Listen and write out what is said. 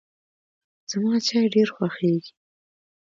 زما چای ډېر خوښیږي.